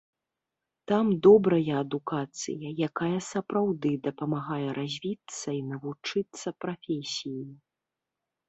Там добрая адукацыя, якая сапраўды дапамагае развіцца і навучыцца прафесіі.